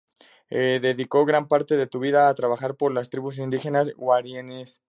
Dedicó gran parte de su vida a trabajar por las tribus indígenas guaraníes.